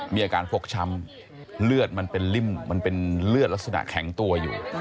มีอาการฟกช้ำเลือดมันเป็นริ่มมันเป็นเลือดลักษณะแข็งตัวอยู่